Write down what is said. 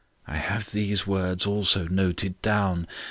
I have these words also noted down.